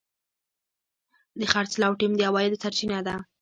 د خرڅلاو ټیم د عوایدو سرچینه ده.